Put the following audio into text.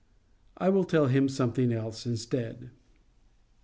I will tell him something else instead.